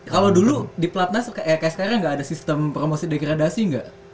kalau dulu di platnas kayak sekarang gak ada sistem promosi dekredasi gak